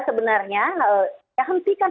sebenarnya ya hentikan